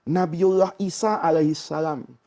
nabiullah isa alaihissalam